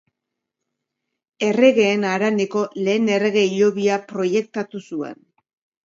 Erregeen Haraneko lehen errege hilobia proiektatu zuen.